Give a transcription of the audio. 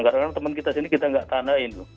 karena teman kita sini kita nggak tandain